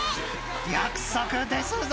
［約束ですぞ！］